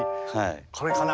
これかな？